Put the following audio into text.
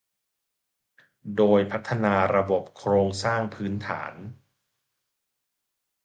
โดยพัฒนาระบบโครงสร้างพื้นฐาน